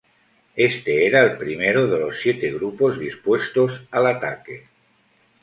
Este era el primero de los siete grupos dispuestos al ataque.